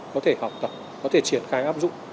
có thể học tập có thể triển khai áp dụng